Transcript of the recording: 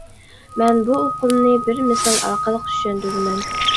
مەن بۇ ئۇقۇمنى بىر مىسال ئارقىلىق چۈشەندۈرىمەن.